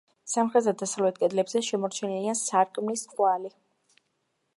სამხრეთ და დასავლეთ კედლებზე შემორჩენილია სარკმლის კვალი.